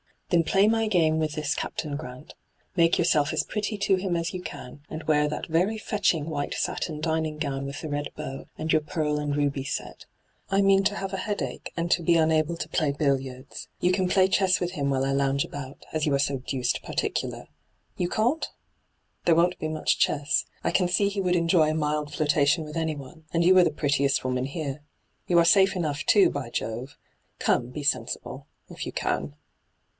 Then play my game with this Captain Grant. Make yourself as pretty to him as you can, and wear that very fetching white satin dining gown with the red bow, and your pearl and ruby set. I mean to have a headache, and to be unable to play billiards. You can play chess with him while I lounge about, as you are so deuced particular. You can't ? There won't be much chess. I can see he would enjoy a mild flirtation with anyone, and you are the prettiest woman here. You are safe enough, too, by Jove I Come, be sensible — if you can.'